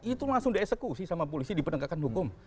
itu langsung dieksekusi sama polisi di penegakan hukum